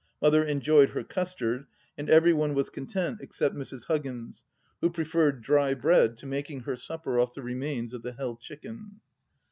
Mother enjoyed her custard, and every one was content except Mrs. Huggins, who preferred dry bread to making her supper off the remains of the Hell Chicken.